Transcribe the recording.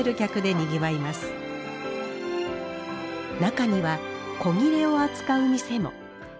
中には古裂を扱う店も。